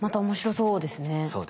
そうですね。